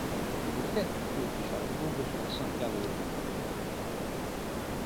Dopodiché fu ufficiale di bordo sulla "Santiago de Cuba".